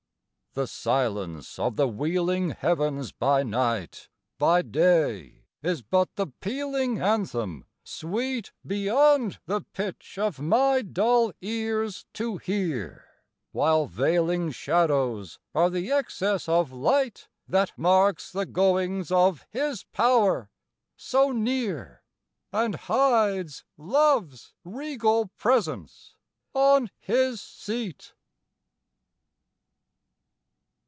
The silence of the wheeling heavens by night, By day, is but the pealing anthem sweet Beyond the pitch of my dull ears to hear, While veiling shadows are the excess of light That marks the goings of His power so near, And hides Love's regal presence on His seat.